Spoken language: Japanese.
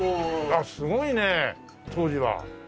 あっすごいね当時は。